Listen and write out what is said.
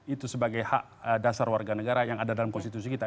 itu sebagai hak dasar warga negara yang ada dalam konstitusi kita